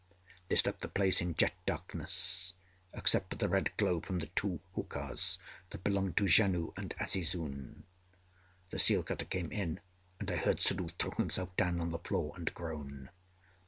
This left the place in jet darkness, except for the red glow from the two huqas that belonged to Janoo and Azizun. The seal cutter came in, and I heard Suddhoo throw himself down on the floor and groan.